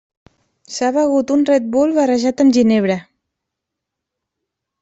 S'ha begut un Red Bull barrejat amb ginebra.